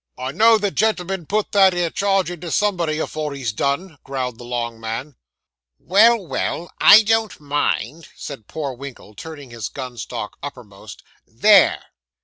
'I know the gentleman'll put that 'ere charge into somebody afore he's done,' growled the long man. 'Well, well I don't mind,' said poor Winkle, turning his gun stock uppermost 'there.